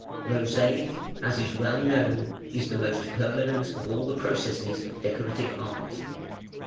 Mosaic, as is well known, is the most permanent of all the processes of decorative art.